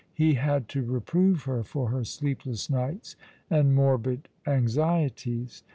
He had to reprove her for her sleepless nights and morbid anxieties.